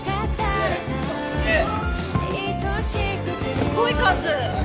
すごい数。